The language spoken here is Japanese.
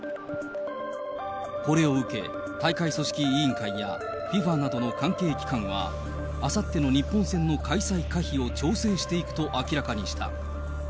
これを受け、大会組織委員会や、ＦＩＦＡなどの関係機関は、あさっての日本戦の開催可否を調整していくと明らかにした。